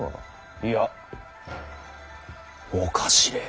いやおかしれぇ。